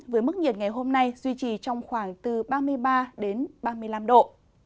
với mức nhiệt ngày hôm nay duy trì trong khoảng từ ba mươi ba đến ba mươi năm độ